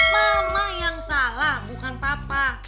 mama yang salah bukan papa